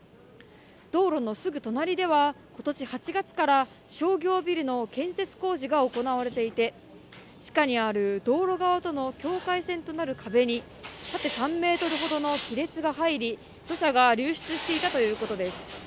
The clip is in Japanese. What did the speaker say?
道路のすぐ隣ではことし８月から商業ビルの建設工事が行われていて地下にある道路側との境界線となる壁に縦３メートルほどの亀裂が入り土砂が流出していたということです